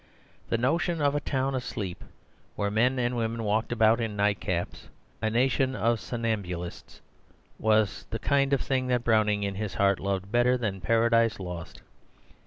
The notion of a town of sleep, where men and women walked about in nightcaps, a nation of somnambulists, was the kind of thing that Browning in his heart loved better than Paradise Lost.